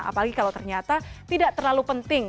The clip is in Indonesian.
apalagi kalau ternyata tidak terlalu penting